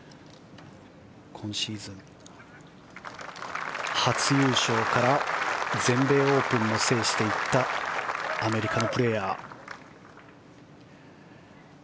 今シーズン初優勝から全米オープンを制していったアメリカのプレーヤーです。